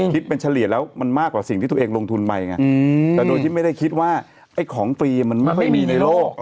คิดเป็นเฉลี่ยแล้วมันมากกว่าสิ่งที่ตัวเองลงทุนไปไงแต่โดยที่ไม่ได้คิดว่าไอ้ของฟรีมันไม่ค่อยมีในโลก